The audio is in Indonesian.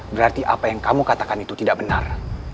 berarti apa yang kamu katakan itu tidak benar